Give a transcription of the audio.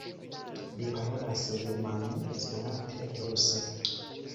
Li parolas germane, Esperante, ruse.